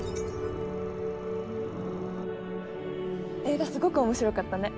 映画すごく面白かったね。